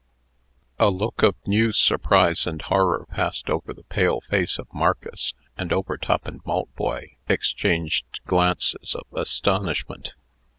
A look of new surprise and horror passed over the pale face of Marcus, and Overtop and Maltboy exchanged glances of astonishment.